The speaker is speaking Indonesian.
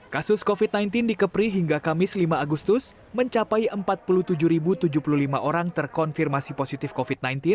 kasus covid sembilan belas di kepri hingga kamis lima agustus mencapai empat puluh tujuh tujuh puluh lima orang terkonfirmasi positif covid sembilan belas